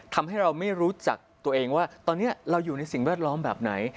ทำให้เราไม่รู้จักตัวเองว่าตอนนี้เราอยู่ในสิ่งแวดล้อมแบบไหน